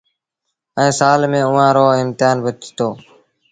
ائيٚݩ سآل ميݩ اُئآݩ رو امتهآن با ٿيٚتو۔